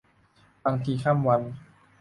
บางทีข้ามวัน